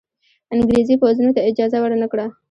انګرېزي پوځونو ته اجازه ورنه کړه.